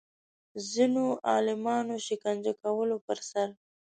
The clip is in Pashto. ځینو عالمانو شکنجه کولو پر سر